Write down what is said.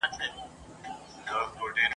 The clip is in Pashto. یوه ورځ به داسي راسي چي شرنګیږي ربابونه !.